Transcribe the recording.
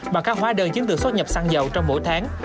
bằng các hóa đơn chính từ xuất nhập xăng dầu trong mỗi tháng